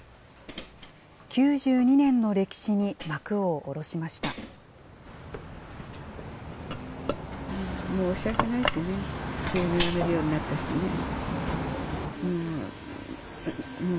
９２年の歴史に幕を下ろしました。